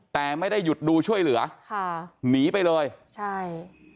แต่ไม่ได้หยุดดูช่วยเหลือค่ะหนีไปเลยใช่